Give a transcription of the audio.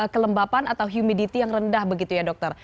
kelembapan atau humidity yang rendah begitu ya dokter